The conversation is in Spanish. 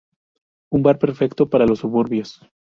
Un bar perfecto para los suburbios.